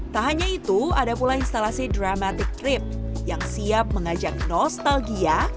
tak hanya itu ada pula instalasi dramatic trip yang siap mengajak nostalgia